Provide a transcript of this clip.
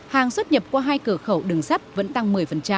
hàng xuất nhập qua hai cửa khẩu đường sắt vẫn tăng một mươi